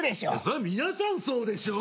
それは皆さんそうでしょ？